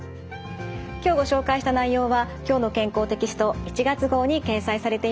今日ご紹介した内容は「きょうの健康」テキスト１月号に掲載されています。